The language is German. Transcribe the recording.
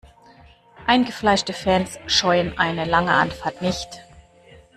Eingefleischte Fans scheuen eine lange Anfahrt nicht.